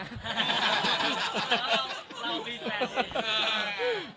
เรามีแฟนเวลา